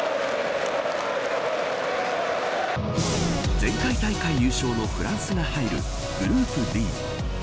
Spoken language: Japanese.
前回大会優勝のフランスが入るグループＤ。